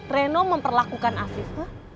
reno memperlakukan afif